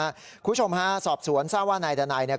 คุณผู้ชมฮะสอบสวนทราบว่านายดานัยเนี่ย